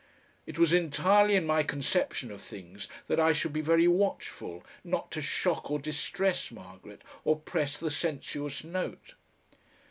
It was entirely in my conception of things that I should be very watchful not to shock or distress Margaret or press the sensuous note.